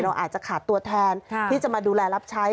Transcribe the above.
อาจจะขาดตัวแทนที่จะมาดูแลรับใช้